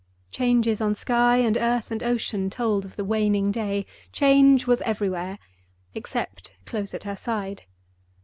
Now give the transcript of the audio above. Changes on sky and earth and ocean told of the waning day; change was everywhere—except close at her side.